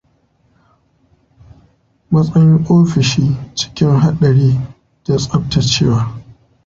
Matsayin ofishi, cikin haɗari, da tsaftacewa